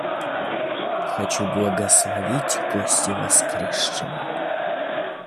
Хочу благословить кости воскресшего.